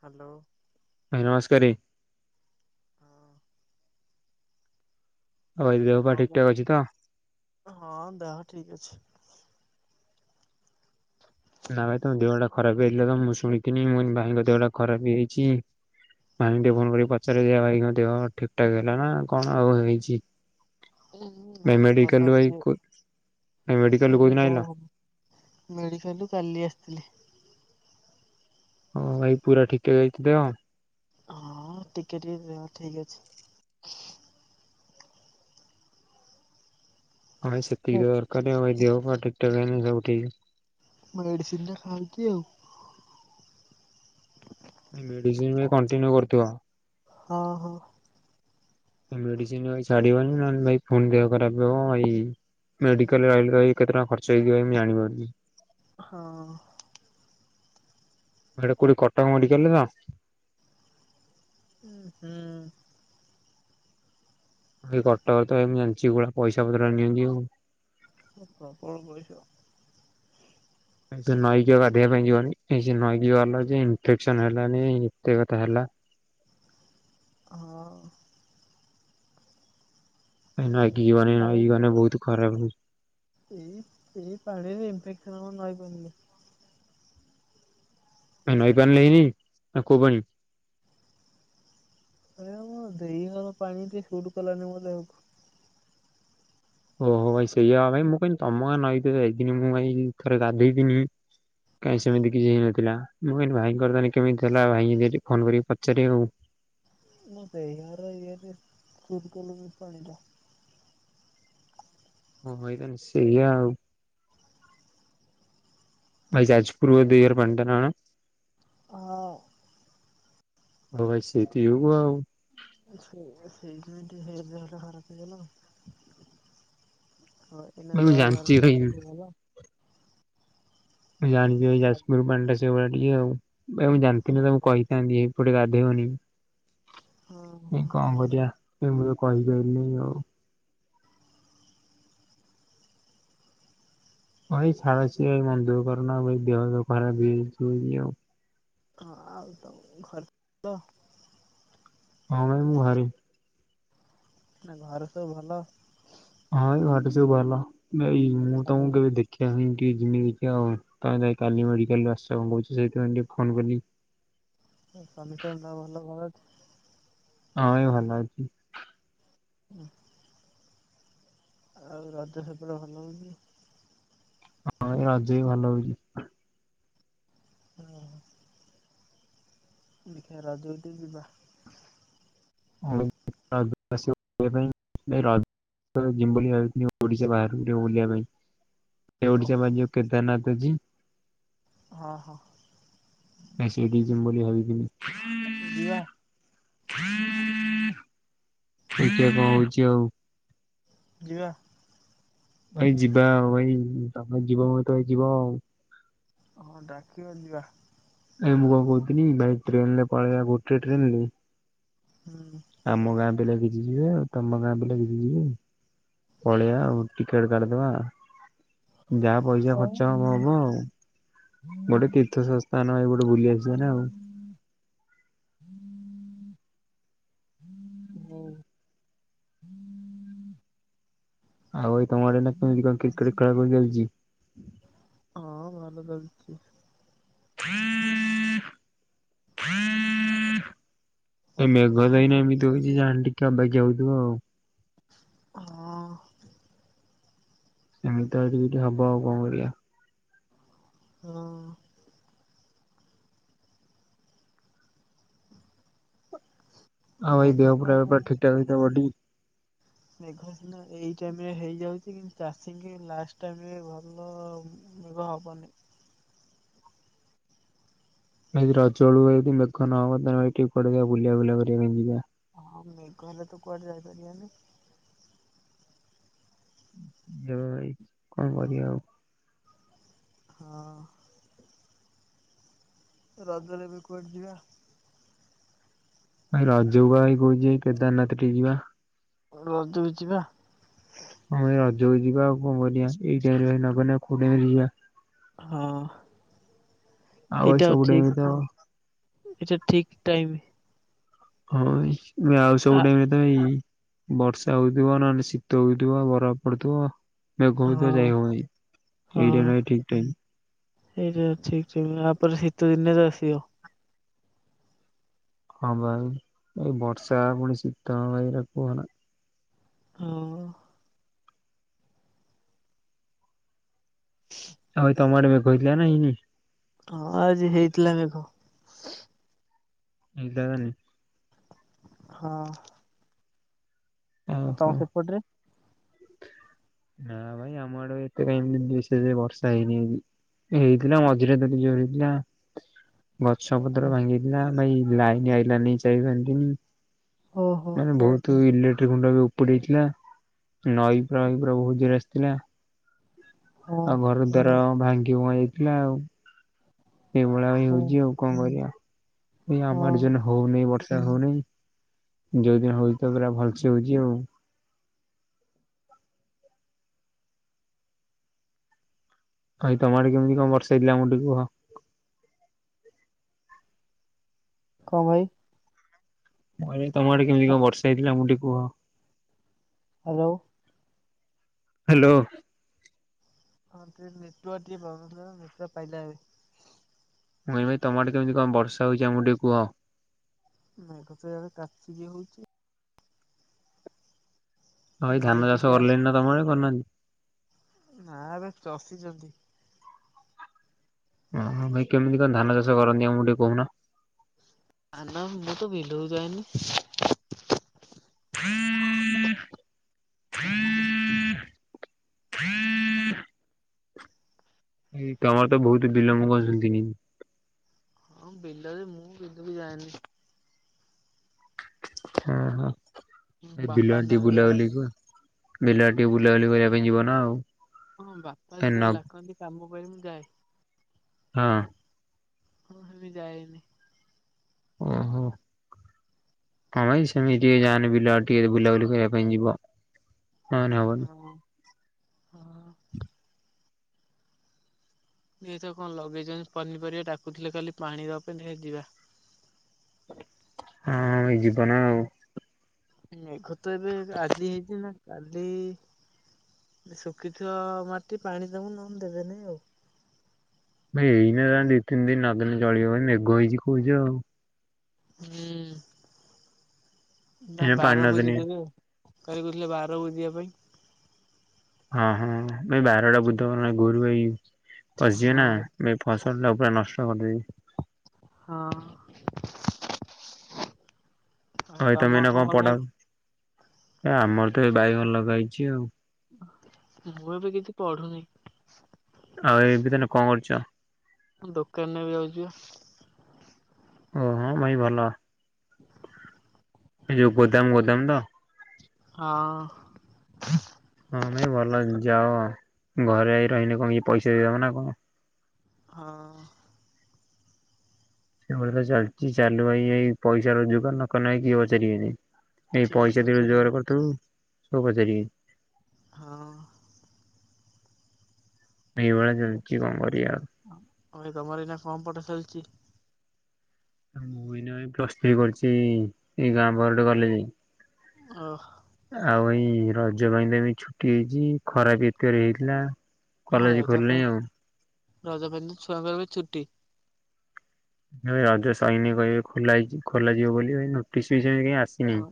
Hello. ନମସ୍କାରରେ। ହଁ। ହଉ ଏ ଦେହ ପା କଣ ଠିକ୍ ଠାକ୍ କରୁ ଅଛି ତ? ହଁ ଦେହ ଠିକ୍ ଅଛି। ନା ଭାଇ ତମ ଦେହଟା ଖରାପ ହେଇଥିଲା ତ ମୁଁ ଶୁଣିନି ମୁ ଭାଇଙ୍କ ଦେହଟା ଖରାପ ହେଇଛି। ଭାଇ ଟିକେ ଫୋନ କରିକି ପଚାର ଦିଆ ଭାଇ ଦେହ ଠିକଠାକ ହେଲା ନା କଣ ଆଉ ହେଇଛି। ଉଁ ନା ଭାଇ ଭଲ ମେଡିକାଲରୁ ଭାଇ ଅଛି କୋ ଭାଇ ମେଡିକାଲରୁ [unintelligible] ଏବେ କୋଉଦିନ ଆଇଲ? ଭଲ। ମେଡ଼ିକାଲରୁ କାଲି ଆସିଥିଲି। ହଁ ଭାଇ ପୁରା ଠିକ ଠାକ୍ ହେଇଛି ଦେହ। ହଁ ଟିକେ ଟିକେ ଦେହ ଠିକ୍ ଅଛି। ହ ସେତିକି ଦରକାରାଇ ଦେହ ପା ଠିକଠାକ ହେଲାଣି ଦେହ ଉଠେଇକି। ମେଡିସିନ ଟା ଖାଉଛି ଆଉ। ମେଡିସିନ ବି କଣ୍ଟିନ୍ୟୁ କରୁଥିବ। ହଁ ହଁ। ମେଡିସିନ ଛାଡିବନି ନହେଲେ ଭାଇ ପୁଣିଦେହ ଖରାପ ହେବ ଭାଇ। ମେଡାଲରେ ରହିଲେ କେତେ ଟଙ୍କା ଖର୍ଚ୍ଚ ହେଇଯିବ ଏମ ଜାଣିପାରୁନି। ହଁ। ଏଟା କଉଠି କଟକ ମେଡିକାଲରେ ତ। ହଁ ହୁଁ। ଏଇ କଟକରେ ତ ଏମ ଜାଣିଛି ଏଗୁଡା ପଇସା ପତ୍ର ନିଅନ୍ତି ଆଉ। ଏ ପ୍ରବଳ କରିଛ। ସେ ନଈକି ଆଉ ଗାଧିବା ପାଇଁ ଯିବନି ନଈକି ବା ଇନଫେକ୍ସନ ହେଲାନି ଏତେ କଥା ହେଲା। ହଁ। ନଇ କି ଯିବନି ନଇ କି ନାଇଁମ ଗଲେ ବହୁତ ଖରାପ ହଉଛି। ଏଇ ଏଇ ପାଣିରେ ଇନଫେକ୍ସନ କଣ ନଇ ପାଣିରେ। ନଈ ପାଣି ରେ ହେଇନି ଆ କୋଉ ପାଣି? ଆରେ ଆମ ଦେଇ ଘର ପାଣି ଟିକେ ସୁଟ୍ କଲାନି ମୋ ଦେହକୁ। ଓହୋ ଭାଇ ସେଇଆ ଭାଇ ମୁଁ କହିଲି ତମ ଗାଁ ନଇ କି ମୁଁ ଭାଇ ଥରେ ଗାଧୋଇକିନି କାଇଁ ସେମିତି କିଛି ହେଇନଥିଲା ମୁଁ କହିଲି ଭାଇ କରିଦେଲେ କେମିତି ଥିଲା ଭାଇ ଫୋନ କରିକି ପଚାରିବି ଆଉ। ନା ସେୟାହାର ଇ ସୁୁଟ କଲା ବି ପାଣିିଟା। ହଁ ଭାଇ ତାହେଲେ ସେଇଆ ଆଉ। ଭାଇ ଯାଜପୁର ଦଇୟର [unintelligible] ହଁ। ହଉ ଭାଇ ସେଇତି କୁ ଆଉ। ସେ ସେଇ ଜ ହ ଜାର ଟା ଖରାପ ହେଇଗଲ ହଁ। ଏ ଭାଇ ମୁଁ ଦେହ ଜାଣିଛି ଭାଇ [unintelligible] ମୁଁ ଜାଣିଛି ଏଇ ଯାଜପୁର ପାଣିଟା ସେଭଳିଆ ଟିକେ ଆଉ ଏ ମୁଁ ଜାଣିଥିଲି ତମୁକୁ ଆଉ କହିି ଏଇପଟେ ଗାଧେଇବନି ଏ ହଁ କଣ କରିବା। ଏ ମୁଁ ତ କହିପାରିଲିନି ଆଉ। ହଁ ଏଇ ଛାଡ ଏଇ ମନ ଦୁଃଖ କର ନା ଏ ଦେହ ଖରାପ ହେଇଯାଇଛି ଆଉ। ହଁ ଆଉ ତ ଘର ହଁ ଭାଇ ମୁଁ ଘରେ। ନା ଘରେ ସବୁ ଭଲ? ହଁ ଏଇ ଘରେ ସବୁ ଭଲ ନାଇ ମୁଁ ସ୍ୱାମୀ ତମକୁ କେବେ ଦେଖି [unintelligible] କାଲି ମେଡିକାଲ ର ଆସିବା କଛି ସେଥିପାଇଁ ଟିକେ ଫୋନ କଲି। ସମୀତଙ୍କ ଦେହ ଭଲ ଭଲ ଅଛି? ହଁ ଏଇ ଭଲ ଅଛି। ହୁଁ। ଆଉ ରଜ ସେପଡେ ଭଲ ହଉନି? ହଁ ଏଇ ରଜ ବି ଭଲ ହଉଛି। ହଁ ଦେଖିବା ରଜ କୁ ଟିକେ ଯିବା। [unintelligible] ୁ [unintelligible] ଓଡିଶା ବାହାରକୁ ବୁଲିବା ପାଇଁ ଓ ଓଡିଶା ବା ଯଉ କେଦାରନାଥଛି ହଁ ହଁ। ହଁ ସେଠିକି ଯିବୁ ବୋଲି ଭାବି ଥିଲୁ। ଯିବା। [unintelligible] କଣ ହଉଛି ଆଉ। ଯିବା। ଭାଇ ଯିବା ଆଉ ଭାଇ ତମେ ଯିବ ମ ତ ଭାଇ ଯିବ ଆଉ। ହଁ ଡାକିବ ଯିବା। ଏ ମୁଁ କଣ କହୁଥିଲି ଭାଇ ଟ୍ରେନ ରେ ପଳେଇବା ଗୋଟେ ଟ୍ରେନରେ ହୁଁ। ଆମ ଗାଁ ପିଲା କିଛି ଯିବେ ଆଉ ତମ ଗାଁ ପିଲା କିଛି ଯିବେ ପଳେଇଆ ଆ ଟିକେଟ କରିଦବା। ଯାହା ପଇସା ଖର୍ଚ୍ଚ ହବ ଆଉ ଗୋଟେ ତୀର୍ଥ ତା ନ ଭାଇ ଗୋଟେ ବୁଲି ଆସିବା ନା ଆଉ। ହଉ। ଆଉ ଭାଇ ତମ ଆଡେ କେମତି କଣ କ୍ରିକେଟ ଖେଳ ଚାଲିଛି? ହଁ ଭଲ [unintelligible] ହ ହ ଏ ମେଘ କଣ ଦଇନା ପାଇଁ ଏମିତି ହଉଛି ଜାଣେ ଟିକେ ଅବାକିଆ ଯାଉଥିବ ଆଉ। ହଁ। ଏମିତି ତ ଆଉ ଟିକ ହବ ଆଉ କଣ କରିବା। ହଁ। ଆଉ ଏଇ ମେଘ ଦେହ ତ ପୁରା ଏବେ ଠିକଠାକ [unintelligible] ମେଘ ସିନା ଏଇ ଟାଇମ ରେ ହେଇଯାଉଛି କିନ୍ତୁ ଚାଷୀଙ୍କ ଲାଷ୍ଟ ଟାଇମ ରେ ଭଲ [unintelligible] ଏଦି ରଜଳୁଆ ଯଦି ମେଘ ନ ହବ ତାହେଲ [unintelligible] ବୁଲା ବୁଲା କରିବା ପାଇଁ ଯିବା ହଁ ମେଘ ହେଲେ ତ କୁଆଡେ ଯାଇପାରିବାନି। ଭାଇ କଣ କରିବା ଆଉ? ହଁ। ରଜରେ ବି କୁଆଡେ଼ ଯିବା? ଭାଇ ରଜକୁ ଭାଇ କହୁଛି କେଦାରନାଥ ଟିକେ ଯିବା। ରଜକୁ ଯିବା? ହମ ଏଇ ରଜକୁ ଯିବା ଆଉ କଣ କରିବା ଏଇ ଟାଇମ ରେ ନଗଲେ ଆଉ କୋଉ ଟାଇମ ରେ ଯିବା ହଁ ଆଉ ଭାଇ ଏଇଟା ସବୁ ଠିକ। ଟାଇମରେ ତ ଏଇଟା ଠିକ ଟାଇମ। ହଁ ଆଉ ସବୁ ଆ ଟାଇମ ଇ ବର୍ଷା ହଉଥିବ ନହେଲେ ଶୀତ ହଉଥିବ ବରଫ ପଡୁଥିବ। ତ ହଁ ଯାଇ ହଉ ଭାଇଁ ଏଇଟା ହଁ ନ ଠିକ ଟାଇମ। ଏଇଟା ଠିକ ଠିକ ଇଆ ପରେ ଶୀତ ଦିନ ଆସିବ। ହଁ ଭାଇ ଏଇ ବର୍ଷା ପୁଣି ଶୀତ ଭାଇରା କୁହନା। ହଁ। ଆଉ ଭାଇ ତମ ଆଡ଼େ ମେଘ ହେଇଥିଲା ନା ହେଇନି? ହଁ ଆଜି ହେଇଥିଲା ମେଘ। [unintelligible] ହଁ। ଆଉ ତମ ଓହୋ। ସେପଟ ରେ? ନାଁ ଭାଇ ଆମ ଆଡ଼େ ଏତେ କାଇଁ ବର୍ଷା ହେଇନି ଆଜି। ହେଇଥିଲା ମଝିରେ ଦେଲି ଜୋର ହେଇଥିଲା। ଗଛ ପତ୍ର ଭାଙ୍ଗିଥିଲା ଭାଇ ଲାଇନ ଆଇଲାନି ଯାଇତି। ଓହୋ ମାନେ ବହୁତ ଇଲେକ୍ଟିକ ଗୁଣ୍ଡ ବି ଉପୁଡେଇଥିଲା ନଈ ପୁରା ବହୁ ଜୋରେ ଆସିଥିଲା। ହଁ ଆଉ ଘର ଦ୍ଵାର ଭାଙ୍ଗି ଭୁଆ ଯାଇଥିଲା ଆଉ। ଏଇଭଳିଆ ବି ହଁ ହଉଛି ଆଉ କଣ କରିବା ଏ ହଁ ଆମର ଯେନ ହଉନି ବର୍ଷା ହଉନାହିଁ ଯୋଉଦିନ ହଉଛି ତ ପୁରା ଭଲସେ ହଉଛି ଆଉ। ଭାଇ ତମ ଆଡ଼େ କେମିତି କଣ ବର୍ଷା ହେଇଥିଲା ଆମକୁ ଟିକେ କୁୁହ। କଣ ଭାଇ? ତମ ଆଡେ କେମିତି କଣ ବର୍ଷା ହେଇଥିଲା ଆମକୁ ଟିକେ କୁହ। ହ୍ୟାଲୋ। ହ୍ୟାଲୋ। ହଁ ଟିକେ ନେଟୱାର୍କ ପ୍ରବ୍ଲେମ ଥିଲାତ ନେଟୱାର୍କ ପାଇଲାଣି। ମୁଇଁ ଭାଇ ତମରେ ଆଡ଼େ କେମିତି କଣ ବର୍ଷ ହଉଛି ଆମକୁ ଟିକେ କୁହ। ମେଘ ତ ଇଆଡ଼େ କଚିକି ହଉଛି। ହ ଏଇ ନଈ ଧାନ ଚାଷ ଟିକେ ଆସ କରଲେଣି ନା ତମ ଆଡ଼େ କରିନାହାନ୍ତି। ନା ଏବେ ଚଷିଚନ୍ତି। ଓହ ଭାଇ କେମିତି କଣ ଧାନ ଚାଷ କରନ୍ତି ଆମକୁ ଟିକେ କହୁନ। ଧାନ ମୁଁ ତ ବିଲକୁ ଯାଏନି। ହଁ ତମର ତ ବହୁତ ବିଲ ମୁ କଣ ଶୁଣିଥୁଲି। ହଁ ବିଲରେ ମୁଁ ବିଲକୁ ଯାଏନି। ହଁ ହଁ ଏ ବାପା ବିଲ ଆଡେ ନା ଟିକ ଯାଆନ୍ତି। ବୁଲାବୁଲି କୁହ। ବିଲ ଆଡ଼େ ଟିକେ ବୁଲାବୁଲି କରିବା ପାଇଁ ଯିବ ନା ଆଉ। ହଁ ବାପା ଏ ନ ଯେତେବେଳେ ଡାକନ୍ତି କାମ ପାଇଁ ମୁ ଯାଏ। ହଁ। ହଁ ସେ ଯାଇନି [unintelligible] ଓ ହୋ। ହଁ ଏଇ ସେମିତି ଟିକେ ଜାନି ବିଲ ଆଡେ ଟିକେ ବୁଲା ବୁଲି କରିବା ପାଇଁ ଯିବ। ହବନି ହବନି। ହଁ ହଁ। ତ କଣ ଲଗେଇଚନ୍ତି ପନିପରିବା ଡ଼ାକୁ ଥିଲେ କାଲି ପାଣି ଦେବା ପାଇଁ ଧେ ଯିବା। ହଁ ଏଇ ଯିବ ନା ଆଉ। ମେଘତ ଏବେ ଆଜି ହେଇଛି ନା। କାଲି ଶୁଖିଥିବ ମାଟି ପାଣି ଦବୁ ନହଲେ ଦେବେନି ଆଉ। ଏଇନା ଦି ତିନି ଦିନ ନଦେନେ ଚଳିବ ମେଘ ହେଇଛି କହୁଛ ଆଉ। ହୁଁ ନାଁ ଏଇନା ପାଣି ବାର ନଦେଲେ ବୁଜିଦେବେ ଆଉ କକାବି କହୁଥିଲେ ବାର ବୁଜିବା ପାଇଁ। ହଁ ହଁ ନାଇଁ ବାରଟା ବୁଜିଦବ ନା ନାଇଁ ଗୋରୁ ଗାଈ। ପଶଯିବ ହଁ ନାଁ ଏ ଫସଲ ଟା ପୁରା ନଷ୍ଟ କରିଦେବି। ହଁ ଆଉ ଭାଇ ତମେ ଏଇନା ତମର କଣ ଲଗା ପଢା ହେଇଛି। ଏ ଆମର ତ ଏ ବାଇଗଣ ଲଗା ହେଇଛି ଆଉ। ମୁଁ ଏବେ କିଛି ପଢୁନେଇଁ। ଆଉ ଏମତି ତାହାଲେ କଣ କରୁଛ? ଦୋକାନ ଏବେ ଯାଉଛି ପା। ଓହୋ ଭାଇ ଭଲ। ଏଇ ଯୋଉ ଗୋଦାମ ଗୋଦାମ ତ। ହଁ। ହଁ ଭାଇ ଭଲ ଯାଅ ଘରେ ଆଇ ରହିଲି କଣ କି ପଇସା ଦେଇଦବ ନା କଣ। ହଁ। ସେଭଳି ତ ଚାଲିଛି ଚାଲୁ ଏଇ ପଇସା ରୋଜଗାର ନ ନହିଁ କିଏ ପଚାରିବେନି ଏ କେହି ପଇସା ଦେଇ ପଚାରିବେନି ରୋଜଗାର କରିଥିବୁ ସବୁ ପଚାରିବେ। ହଁ। ଏଇଭଳିଆ ଚାଲିଚି କଣ କରିବା ଆଉ। ଭାଇ ତମର ଏଇନା କଣ ପଢା ଚାଲିଛି। ମୁଁ ଏଇନା ଏଇ ପ୍ଲସ୍ ଥ୍ରୀ କରିଛି ଏଇ ଗାଁ ପାଖ ଗୋଟେ କଲେଜ ରେ। ଓ। ଆଉ ଏଇ ରଜ ପାଇଁ ନେମି ଛୁଟି ହେଇଛି ଖରାପ ଏତେରେ ହେଇଥିଲା ହଁ କଲେଜ ରଜା ଖୋଲିନି ପାଇଁ ଆଉ। ରଜ ପାଇଁ ତ ଛୁଆଙ୍କ ଏବେ ଛୁଟି। ଭାଇ ରଜ ସଇନେ କହିବେ ଖୋଲାହେଇଚି ଖୋଲାଯିବ ବୋଲି ନୋଟିସ୍ ବି ଆସ ହଁ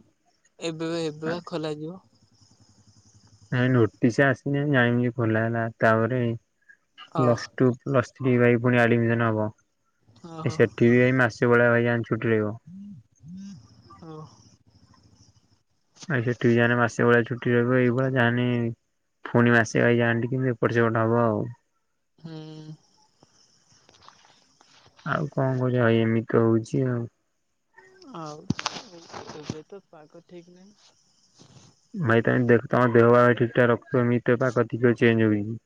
ଏବେ ବା ଏବେ ବା ଖୋଲ ଯିବ। ନାଇଁ ନୋଟିସ ଆସିଲେ ଜାଣିିବୁ ଯେ ଖୋଲାହେଲା ତାପରେ ଅ ପ୍ଲସ ଟୁ ପ୍ଲସ ଥ୍ରୀ ଭାଇ ପୁଣି ଆଡମିଶନ ହବ ଓହୋ ଏ ସେଠି ବି ଭାଇ ମାସେ ଭଳିଆ ଭାଇଜାନ ଛୁଟି ରହିବ। ଓ। ଭାଇ ସେଠି ବି ଯାହେନେ ମାସେ ଭଳିଆ ଛୁଟି ରହିବ ଏଇଭଳିଆ ଯାନି ପୁଣି ମାସେ ଭାଇ ଜାନଟିକେନେ ଏପଟ ସେପଟେ ହବ ଆଉ। ହୁଁ। ଆଉ କଣ କରିବା ଭାଇ ଏମିତି ହଉଛି ଆଉ। ଆଉ ଏବେ ଏବେତ ପାଗ ଠିକ ନାହିଁ। ଭାଇ ତମେ ଦେଖ ତମ ଦେହ ଭାବ ଠିକ ଠାକ ରଖୁଥିମ [unintelligible] ପାକ ଚେଞ୍ଜ ହୂଏକି।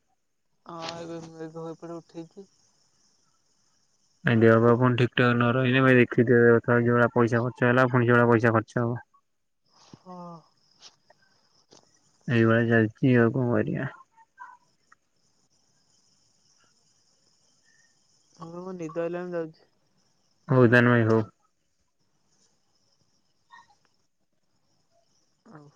ହଁ ଏବେ ମେଘ ବି ଏପଟେ ଉଠେଇକି ଭାଇ ଦେହ ପାହା ଠିକଠାକ ନ ରହିଲେ ଭାଇ ଦେଖିଥା ଯେଉଭଳି ପଇସା ଖର୍ଚ ହେଲା ପୁଣି ସେଇଭଳି ପଇସା ଖର୍ଚ୍ଚ ହବ। ହଁ। ଏଇଭଳି ଚାଲିଛି ଆଉ କଣ କରିିବା? ହଁ ମୋ ନିଦ ଆଇଲାଣି ମୁଁ ଯାଉଛି। ହଉ ତାହେଲେ ଭାଇ ହୋଉ। ଆଉ।